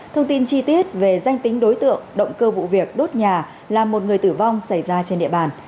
thông tin chi tiết về danh tính đối tượng động cơ vụ việc đốt nhà làm một người tử vong xảy ra trên địa bàn